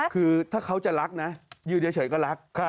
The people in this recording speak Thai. คือถ้าเขาจะรักนะอยู่เดียวเฉยก็รัก